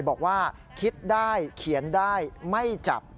บอกว่าคิดได้เขียนได้ไม่จับ